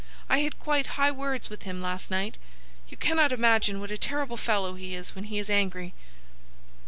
I had quite high words with him last night. You cannot imagine what a terrible fellow he is when he is angry."